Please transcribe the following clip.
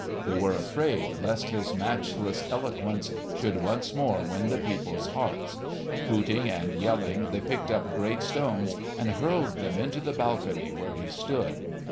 They were afraid lest his matchless eloquence should once more win the people's hearts. Hooting and yelling, they picked up great stones and hurled them into the balcony where he stood.